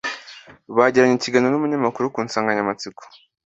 bagiranye ikiganiro n’umunyamakuru ku nsanganyamatsiko